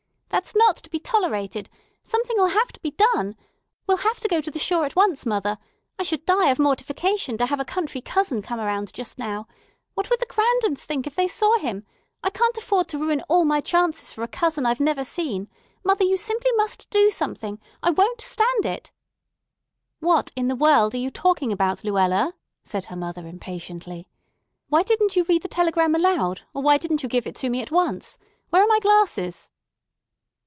"That's not to be tolerated! Something'll have to be done. We'll have to go to the shore at once, mother. I should die of mortification to have a country cousin come around just now. What would the Grandons think if they saw him? I can't afford to ruin all my chances for a cousin I've never seen. Mother, you simply must do something. I won't stand it!" "What in the world are you talking about, Luella?" said her mother impatiently. "Why didn't you read the telegram aloud, or why didn't you give it to me at once? Where are my glasses?"